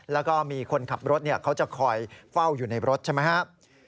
และก็มีคนขับรถเนี่ยจะคอยเฝ้าอยู่ในรถใช่มั้ยครับ